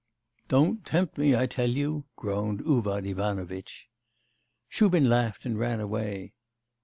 'Don't tempt me, I tell you,' groaned Uvar Ivanovitch. Shubin laughed and ran away.